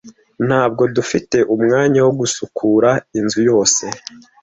Ntabwo dufite umwanya wo gusukura inzu yose.